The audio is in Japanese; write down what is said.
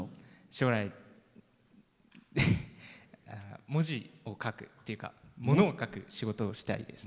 将来、文字を書くというかものを書く仕事をしたいです。